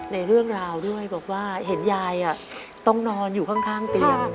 ในเรื่องราวด้วยบอกว่าเห็นยายต้องนอนอยู่ข้างเตียง